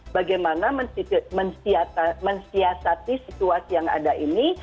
bagaimana mensiasati situasi yang ada ini